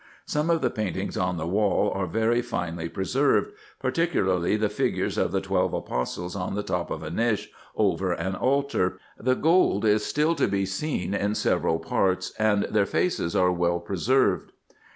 Some of the paintings on the wall are very finely preserved, particularly the figures of the twelve apostles on the top of a niche, over an altar ; the gold is still to be seen in several parts, and their faces are well preserved.